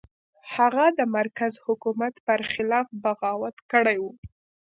هغه د مرکزي حکومت پر خلاف بغاوت کړی و.